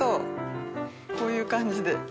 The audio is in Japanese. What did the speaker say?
こういう感じで。